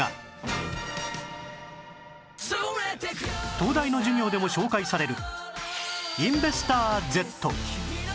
東大の授業でも紹介される